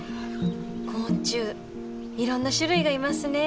昆虫いろんな種類がいますね。